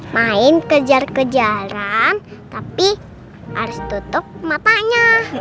main kejar kejaran tapi harus tutup matanya